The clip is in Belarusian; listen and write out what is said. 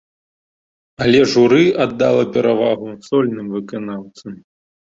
Але журы аддала перавагу сольным выканаўцам.